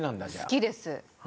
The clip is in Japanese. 好きです。